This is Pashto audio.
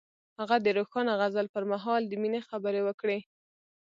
هغه د روښانه غزل پر مهال د مینې خبرې وکړې.